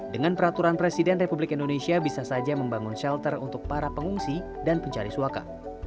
dengan peraturan presiden republik indonesia bisa saja membangun shelter untuk para pengungsi dan pencari suaka